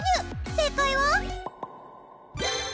正解は。